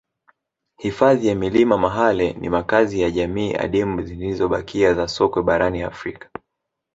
Hifadhi ya milima Mahale ni makazi ya jamii adimu zilizobakia za sokwe barani Afrika